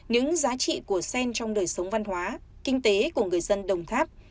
những giá trị của sen trong đời sống văn hóa kinh tế của người dân đồng tháp